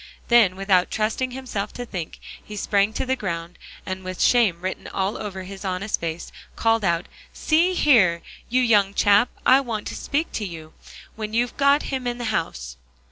Then without trusting himself to think, he sprang to the ground, and with shame written all over his honest face, called out, "See here, you young chap, I want to speak to you, when you've got him in the house."